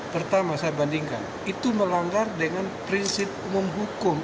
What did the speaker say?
pertama saya bandingkan itu melanggar dengan prinsip umum hukum